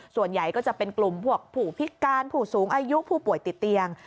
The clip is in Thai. ส่วนใหญ่ก็จะเป็นกลุ่มพวกผู้พิการผู้สูงอายุผู้ป่วยติดเตียง